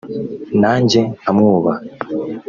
nange nkamwubaha